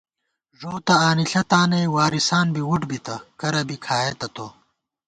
ݫوتہ آنِݪہ تانَئ ، وارِثان بی وُٹ بِتہ ، کرہ بی کھائېتہ تو